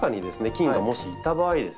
菌がもしいた場合ですね